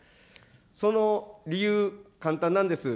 その理由、簡単なんです。